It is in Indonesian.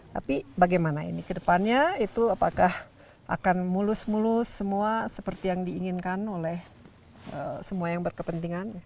tapi bagaimana ini kedepannya itu apakah akan mulus mulus semua seperti yang diinginkan oleh semua yang berkepentingan